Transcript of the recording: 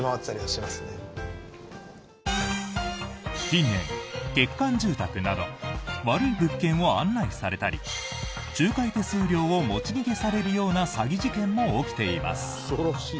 近年、欠陥住宅など悪い物件を案内されたり仲介手数料を持ち逃げされるような詐欺事件も起きています。